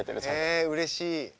えうれしい。